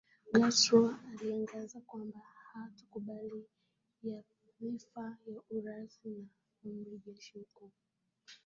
Castro alitangaza kwamba hatakubali nyadhifa za urais na amiri jeshi mkuu